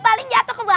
paling jatuh ke bawah